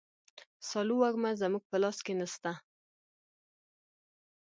سالو وږمه زموږ په لاس کي نسته.